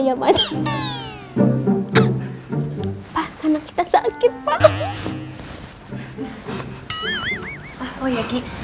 ya makasih bagaimana kita sakit kayaknya